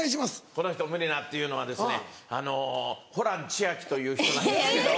この人無理だっていうのはですねホラン千秋という人なんです。